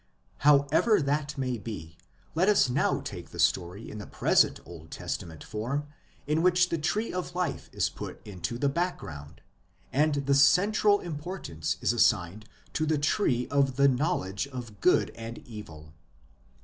However that may be, let us now take the story in the present Old Testament form in which the Tree of Life is put into the background, and the central importance is assigned to the Tree of the Knowledge of Good and Evil.